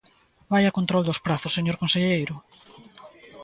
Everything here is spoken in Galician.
¡Vaia control dos prazos, señor conselleiro!